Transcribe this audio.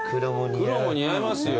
黒も似合いますよ。